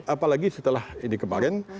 apalagi setelah ini kemarin